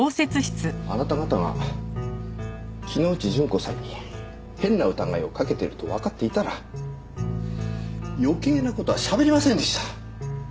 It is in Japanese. あなた方が木之内順子さんに変な疑いをかけているとわかっていたら余計な事はしゃべりませんでした。